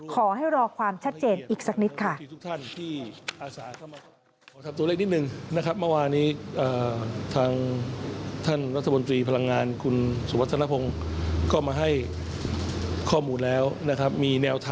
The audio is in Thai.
ขอให้รอความชัดเจนอีกสักนิดค่ะ